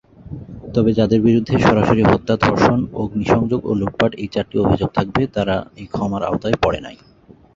তবে, যাদের বিরুদ্ধে সরাসরি হত্যা, ধর্ষণ, অগ্নি সংযোগ ও লুটপাট এই চারটি অভিযোগ থাকবে তারা এই ক্ষমার আওতায় পরে নাই।